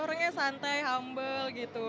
orangnya santai humble gitu